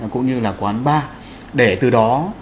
cũng như là quán bar